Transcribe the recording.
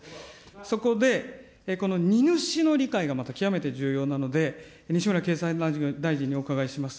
そこでこの荷主の理解がまた極めて重要なので、西村経済大臣にお伺いをします。